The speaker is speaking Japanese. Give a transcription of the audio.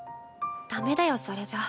ダメだよそれじゃ。